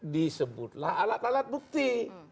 disebutlah alat alat bukti